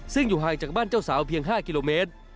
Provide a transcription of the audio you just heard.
ซึ่งอยู่ห่างจากบ้านเจ้าสาวเพียง๕กิโลเมตร